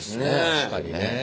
確かにね。